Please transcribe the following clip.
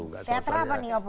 teater apa nih